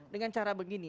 dengan cara begini